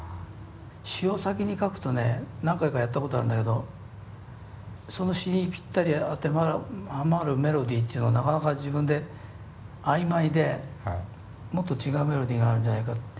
詞を先に書くとね何回かやったことあるんだけどその詞にぴったり当てはまるメロディーっていうのはなかなか自分で曖昧でもっと違うメロディーがあるんじゃないか。